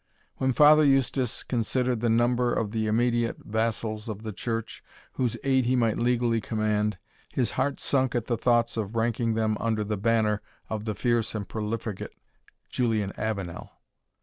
When Father Eustace considered the number of the immediate vassals of the church whose aid he might legally command, his heart sunk at the thoughts of ranking them under the banner of the fierce and profligate Julian Avenel.